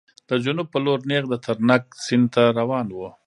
د جنوب په لور نېغ د ترنک سیند ته روان و.